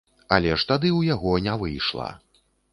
Але ж тады ў яго не выйшла.